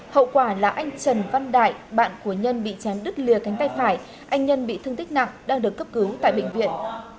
hậu quả là anh trần văn đại bạn của nhân bị chém đứt lìa cánh tay phải anh nhân bị thương tích nặng đang được cấp cứu tại bệnh viện